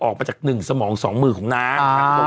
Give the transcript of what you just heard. ออกมาจาก๑สมอง๒มือของน้า